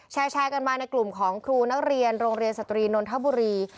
แชร์กันมาในกลุ่มของครูนักเรียนโรงเรียนสตรีนนทบุรี